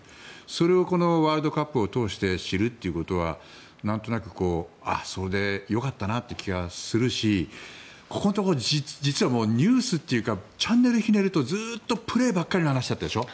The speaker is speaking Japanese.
それをこのワールドカップを通して知ることは、なんとなくそれでよかったなという気がするしここのところ実はニュースというかチャンネルをひねるとずっとプレーばっかりの話だったでしょ。